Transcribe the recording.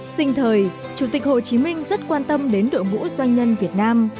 sinh thời chủ tịch hồ chí minh rất quan tâm đến đội ngũ doanh nhân việt nam